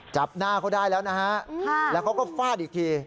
จับหน้าเขาได้แล้วนะฮะแล้วเขาก็ฟาดอีกที